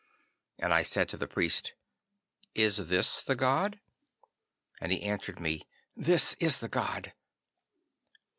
'And I said to the priest, "Is this the god?" 'And he answered me, "This is the god."